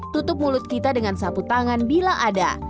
tutup mulut kita dengan satu tangan bila ada